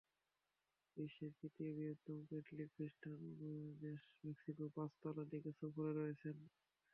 বিশ্বের দ্বিতীয় বৃহত্তম ক্যাথলিক খ্রিষ্টান-অধ্যুষিত দেশ মেক্সিকোয় পাঁচ দিনের সফরে রয়েছেন পোপ ফ্রান্সিস।